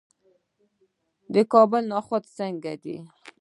د کابل نخود څنګه دي؟